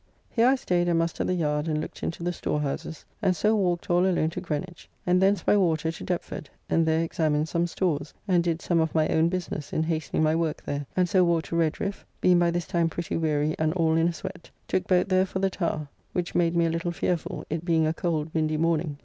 Here I staid and mustered the yard and looked into the storehouses; and so walked all alone to Greenwich, and thence by water to Deptford, and there examined some stores, and did some of my own business in hastening my work there, and so walked to Redriffe, being by this time pretty weary and all in a sweat; took boat there for the Tower, which made me a little fearful, it being a cold, windy morning.